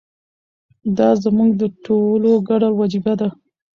دا زموږ د ټولو ګډه وجیبه ده.